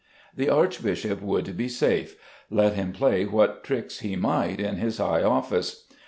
The archbishop would be safe, let him play what tricks he might in his high office.